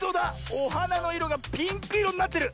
おはなのいろがピンクいろになってる！